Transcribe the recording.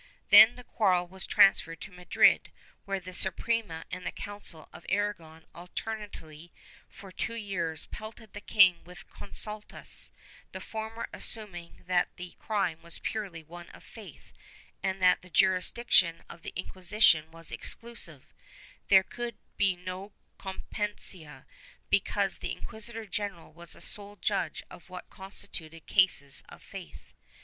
Then the quarrel was transferred to Madrid, where the Suprema and the Council of Aragon alternately for two years pelted the king with consultas, the former assuming that the crime was purely one of faith and that the jurisdiction of the Inquisition was exclusive; there could be no competencia, because the inquisitor general was the sole judge of what constituted cases of faith.